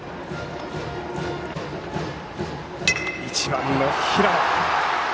１番の平野。